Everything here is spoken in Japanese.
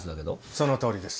そのとおりです。